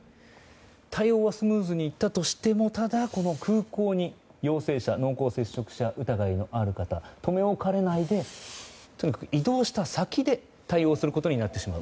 対応はスムーズにいったとしてもただ空港に、陽性者濃厚接触者疑いのある方が留め置かれないで移動した先で対応することになってしまう。